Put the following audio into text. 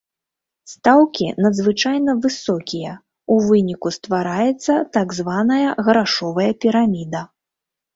Стаўкі надзвычайна высокія, у выніку ствараецца так званая грашовая піраміда.